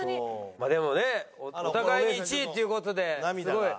まあでもねお互いに１位っていう事ですごい！